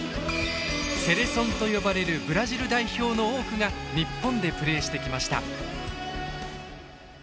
セレソンと呼ばれるブラジル代表の多くが日本でプレーしてきました。